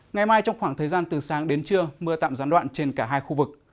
ngày mai trong khoảng thời gian từ sáng đến trưa mưa tạm gián đoạn trên cả hai khu vực